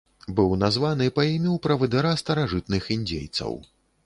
Быў названы па імю правадыра старажытных індзейцаў.